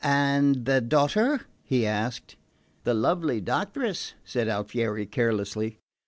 "And the daughter?" he asked. "The lovely doctoress?" said Alfieri carelessly.